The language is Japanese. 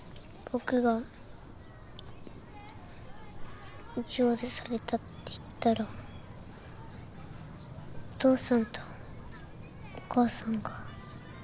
僕が意地悪されたって言ったらお父さんとお母さんが悲しいから。